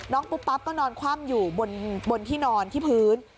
ปุ๊บปั๊บก็นอนคว่ำอยู่บนที่นอนที่พื้น